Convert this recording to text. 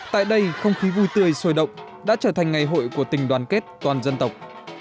tại đây không khí vui tươi sôi động đã trở thành ngày hội của tình đoàn kết toàn dân tộc